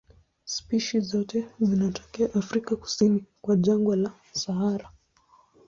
Spishi zote zinatokea Afrika kusini kwa jangwa la Sahara.